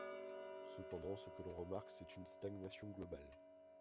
Cependant, ce que l'on remarque c'est une stagnation globale.